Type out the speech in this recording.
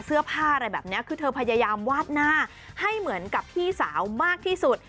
เสื้อผ้าอะไรแบบนี้คือเธอพยายามวาดหน้าให้เหมือนกับพี่สาวมากที่สุด